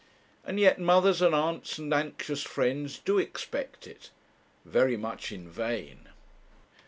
And yet mothers, and aunts, and anxious friends, do expect it very much in vain.